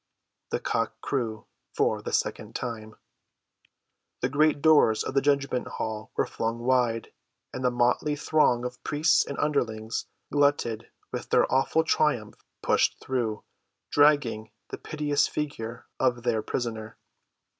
The cock crew for the second time. The great doors of the judgment‐hall were flung wide, and the motley throng of priests and underlings, glutted with their awful triumph, pushed through, dragging the piteous figure of their prisoner.